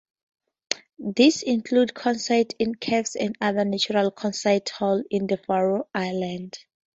These include concerts in caves and other natural "concert halls" in the Faroe Islands.